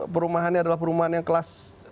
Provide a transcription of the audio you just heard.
perumahannya adalah perumahan yang kelas